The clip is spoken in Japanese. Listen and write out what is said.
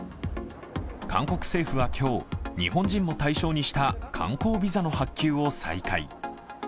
韓国政府は今日、日本人も対象にした観光ビザの発給を再開。